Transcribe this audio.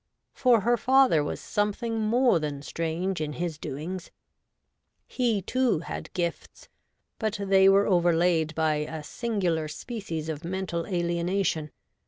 For her father was something more than strange in his doings. He, too, had gifts, but they were overlaid by a singular species of mental alienation.